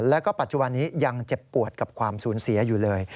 แล้วก็ปัจจุบันนี้ยังเจ็บปวดกับความสูญเสียอยู่เลย